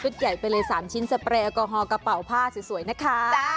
สุดใหญ่ไปเลย๓ชิ้นสเปรย์อากอฮอกระเป๋ากระเป๋าผ้าสวยนะคะ